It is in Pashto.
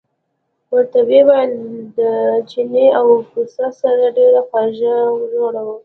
ورته ویې ویل د چیني او پسه سره ډېره جوړه وه.